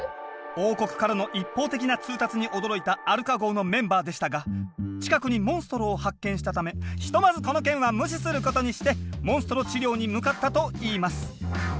王国からの一方的な通達に驚いたアルカ号のメンバーでしたが近くにモンストロを発見したためひとまずこの件は無視することにしてモンストロ治療に向かったといいます。